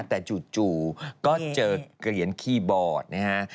แต่จู่ก็เจอเหรียญคีย์บอร์ดนะฮะ